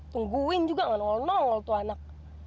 tungguin juga gak nol tuh anak